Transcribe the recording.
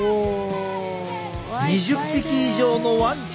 ２０匹以上のワンちゃんが。